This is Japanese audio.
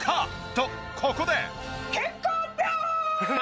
とここで。